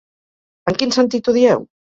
En quin sentit ho dieu?